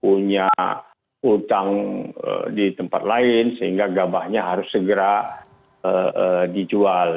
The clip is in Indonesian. punya utang di tempat lain sehingga gabahnya harus segera dijual